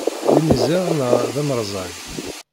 D imiziḍ neɣ d amerẓag?